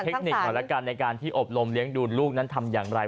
เทคนิคหน่อยละกันในการที่อบรมเลี้ยงดูลูกนั้นทำอย่างไร